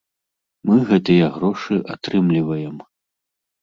Мы гэтыя грошы атрымліваем.